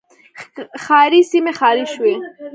ښاري سیمې خالي شوې